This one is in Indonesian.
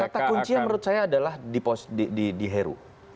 kata kunci yang menurut saya adalah di heru